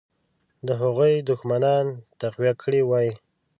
د هغوی دښمنان تقویه کړي وای.